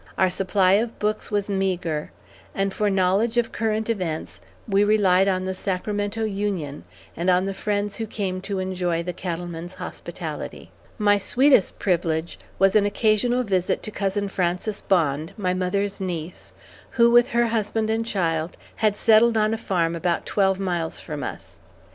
Our supply of books was meagre, and for knowledge of current events, we relied on The Sacramento Union, and on the friends who came to enjoy the cattleman's hospitality. My sweetest privilege was an occasional visit to cousin Frances Bond, my mother's niece, who, with her husband and child, had settled on a farm about twelve miles from us.